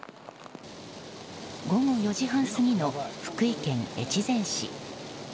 午後４時半過ぎの福井県越前市。